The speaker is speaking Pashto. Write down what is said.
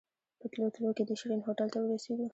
په تلو تلو کې د شيرين هوټل ته ورسېدو.